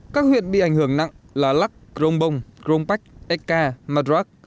các huyện bị ảnh hưởng nặng là lắk cronbông cronpach ekka madrag